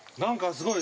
すごい。